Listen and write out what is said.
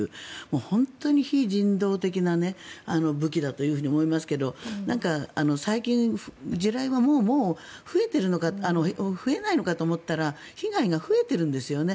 本当に非人道的な武器だと思いますけれど最近、地雷がもう増えないのかと思ったら被害が増えているんですよね。